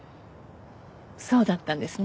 そうだったんですね。